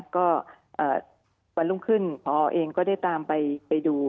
ก็วันรุ่งขึ้นพอเองก็ได้ตามไปดู